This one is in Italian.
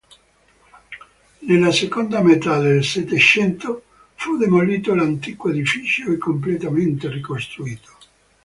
Nella seconda metà del Settecento fu demolito l'antico edificio e completamente ricostruito.